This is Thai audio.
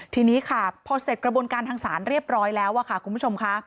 ทีนี้ค่ะพอเสร็จกระบวนการทางศาลเรียบร้อยแล้วค่ะคุณผู้ชมค่ะ